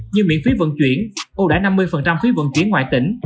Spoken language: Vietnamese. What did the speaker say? như miễn phí vận chuyển ủ đải năm mươi phí vận chuyển ngoại tỉnh